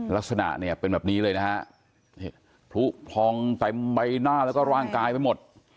ลักษณะเนี่ยเป็นแบบนี้เลยนะฮะพลุพองเต็มใบหน้าแล้วก็ร่างกายไปหมด